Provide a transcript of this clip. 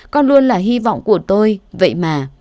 con luôn là hy vọng của tôi vậy mà